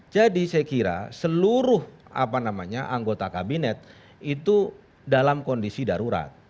jadi saya kira seluruh anggota kabinet itu dalam kondisi darurat